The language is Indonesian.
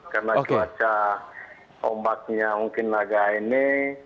karena cuaca lompatnya mungkin agak aini